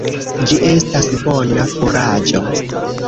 Ĝi estas bona furaĝo.